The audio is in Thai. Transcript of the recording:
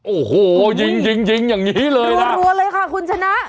โอ้โหยิงยิงอย่างนี้เลยนะรัวเลยค่ะคุณชนะ